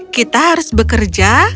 kita harus bekerja